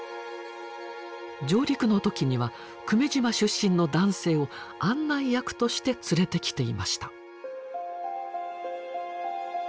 上陸の時には久米島出身の男性を案内役として連れてきていました。